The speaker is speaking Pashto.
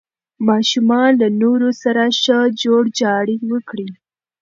ماشومان له نورو سره ښه جوړجاړی وکړي.